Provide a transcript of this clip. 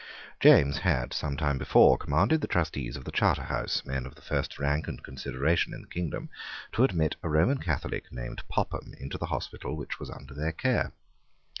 James had, some time before, commanded the trustees of the Charterhouse, men of the first rank and consideration in the kingdom, to admit a Roman Catholic named Popham into the hospital which was under their care.